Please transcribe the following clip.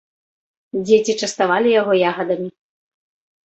Дзеці частавалі яго ягадамі.